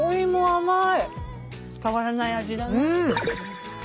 変わらない味だね。